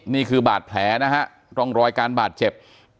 นี่คือบาดแผลนะฮะร่องรอยการบาดเจ็บ